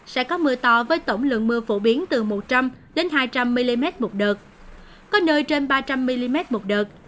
sẽ có mưa to với tổng lượng mưa phổ biến từ một trăm linh hai trăm linh mm một đợt có nơi trên ba trăm linh mm một đợt